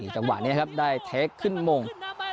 จังหวะนี้ครับได้เทคขึ้นมง